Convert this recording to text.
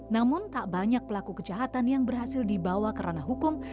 namun tak banyak pelaku kejahatan yang berhasil dibawa ke ranah hukum